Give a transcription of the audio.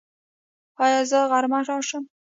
ایا زه غرمه راشم؟